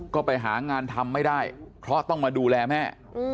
ก็ไปหางานทำไม่ได้เพราะต้องมาดูแลแม่